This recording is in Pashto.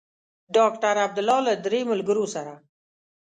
ډاکټر عبدالله له درې ملګرو سره.